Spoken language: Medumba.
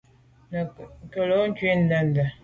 Nkelô ku’ ndende.